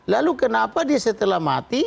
lalu kenapa dia setelah mati